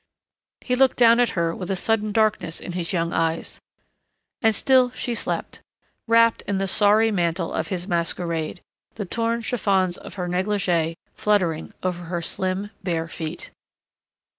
He looked down at her with a sudden darkness in his young eyes.... And still she slept, wrapped in the sorry mantle of his masquerade, the torn chiffons of her negligée fluttering over her slim, bare feet.